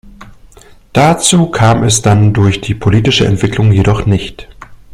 Dazu kam es dann durch die politische Entwicklung jedoch nicht.